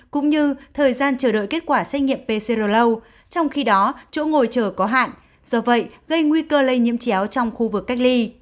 cũng như thời gian chờ đợi kết quả xét nghiệm pcru trong khi đó chỗ ngồi chờ có hạn do vậy gây nguy cơ lây nhiễm chéo trong khu vực cách ly